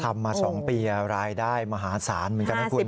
ทำมา๒ปีรายได้มหาศาลเหมือนกันนะคุณ